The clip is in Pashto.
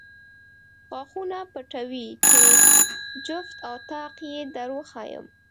غاښونه پټوې چې جفت او طاق یې در وښایم.